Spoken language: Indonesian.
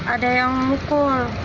ada yang mukul